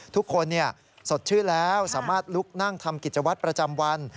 ทุกคนสดชื่นแล้วสามารถลุกนั่งทำกิจวัตรประจำวัน